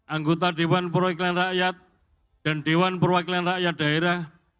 anggota dewan perwakilan rakyat dan dewan perwakilan rakyat daerah